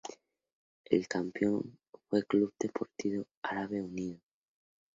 El campeón fue Club Deportivo Árabe Unido.